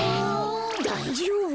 だいじょうぶ？